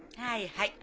はい。